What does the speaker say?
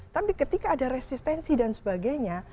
tapi ketika ada resistensi dan sebagainya